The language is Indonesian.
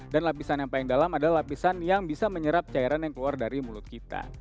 lapisan yang paling dalam adalah lapisan yang bisa menyerap cairan yang keluar dari mulut kita